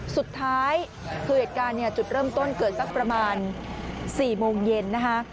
สุดท้ายคือเหตุการณ์เนี่ยจุดเริ่มต้นเกิดสักประมาณ๔โมงเย็นนะคะ